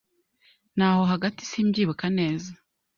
ni aho hagatisimbyibuka neza